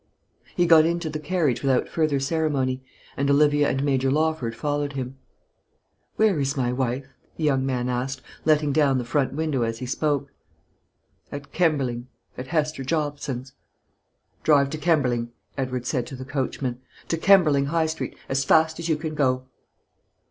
He got into the carriage without further ceremony, and Olivia and Major Lawford followed him. "Where is my wife?" the young man asked, letting down the front window as he spoke. "At Kemberling, at Hester Jobson's." "Drive to Kemberling," Edward said to the coachman, "to Kemberling High Street, as fast as you can go."